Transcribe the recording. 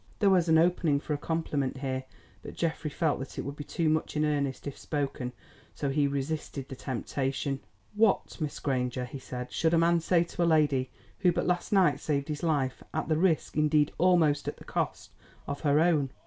There was an opening for a compliment here, but Geoffrey felt that it would be too much in earnest if spoken, so he resisted the temptation. "What, Miss Granger," he said, "should a man say to a lady who but last night saved his life, at the risk, indeed almost at the cost, of her own?"